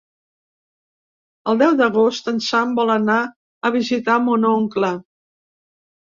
El deu d'agost en Sam vol anar a visitar mon oncle.